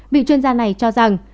vị chuyên gia này cho rằng